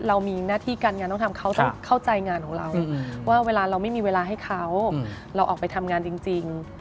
เรามีหน้าที่การงานต้องทำเขาต้องเข้าใจงานของเราว่าเวลาเราไม่มีเวลาให้เขาเราออกไปทำงานจริง